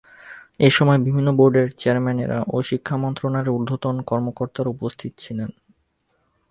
এ সময় বিভিন্ন বোর্ডের চেয়ারম্যানেরা ও শিক্ষা মন্ত্রণালয়ের ঊর্ধ্বতন কর্মকর্তারা উপস্থিত ছিলেন।